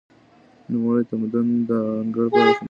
نوموړی د تمدن د انګړ په اړه هم خبري کوي.